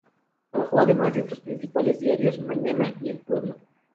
Trabajó además en sus principales diarios: "Mañana" y "El Pueblo".